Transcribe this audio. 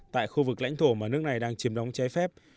tại khu vực lãnh thổ mà nước này đang chiếm đóng chai phép